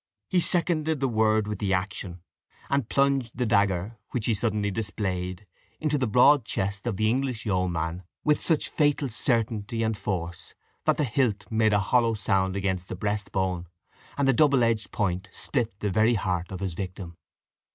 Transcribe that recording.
He seconded the word with the action, and plunged the dagger, which he suddenly displayed, into the broad breast of the English yeoman, with such fatal certainty and force that the hilt made a hollow sound against the breast bone, and the double edged point split the very heart of his victim.